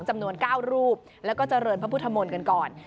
จำนวน๙รูปแล้วก็เจริญพระพุทธมนต์กันก่อน